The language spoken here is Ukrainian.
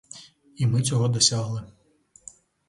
І ми цього досягли.